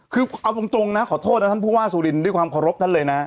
คือเอาตรงนะขอโทษนะท่านผู้ว่าสุรินด้วยความเคารพท่านเลยนะ